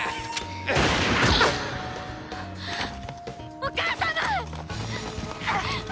お母様！